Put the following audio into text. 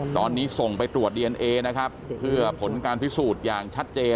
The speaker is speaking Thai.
ตอนนี้ส่งไปตรวจดีเอนเอนะครับเพื่อผลการพิสูจน์อย่างชัดเจน